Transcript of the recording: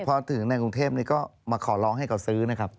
พอถึงในกรุงเทพนี้ก็มาขอร้องให้เขาซื้อนะครับ